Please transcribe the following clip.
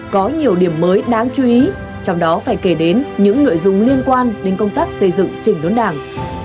có nhiều điểm mới đáng chú ý trong đó phải kể đến những nội dung liên quan đến công tác xây dựng chỉnh đốn đảng